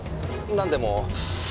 なんでも。